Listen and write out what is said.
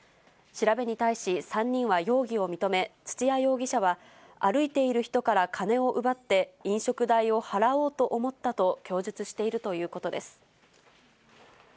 調べに対し、３人は容疑を認め、土屋容疑者は歩いている人から金を奪って飲食代を払おうと思ったと供述しているということです。